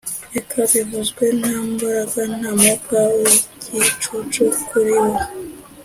reka bivuzwe nta mbaraga, nta mwuka wigicucu kuriwo.